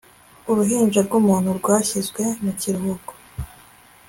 uruhinja rw'umuntu rwashyizwe mu kiruhuko